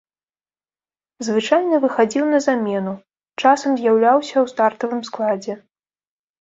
Звычайна выхадзіў на замену, часам з'яўляўся ў стартавым складзе.